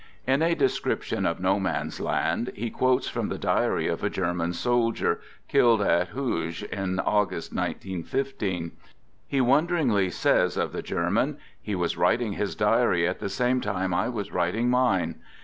In a description of No Man's Land, he quotes from the diary of a German soldier, killed at Hooge, in August, 1 91 5. He wonderingly says of the German: " He was writing his diary at the same time I was writing mine."